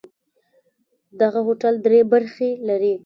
دغه هوټل درې برخې لري.